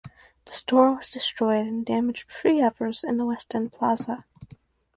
The store was destroyed and damaged three others in the West End Plaza.